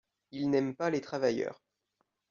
Ils n’aiment pas les travailleurs.